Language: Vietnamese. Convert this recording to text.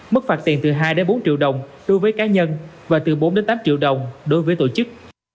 mức phạt tiền từ hai bốn triệu đồng đối với cá nhân và từ bốn tám triệu đồng đối với tổ chức